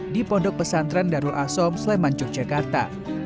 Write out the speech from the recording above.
di pondok pesantren darul asom sleman yogyakarta